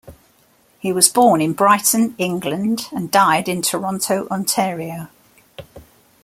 He was born in Brighton, England and died in Toronto, Ontario.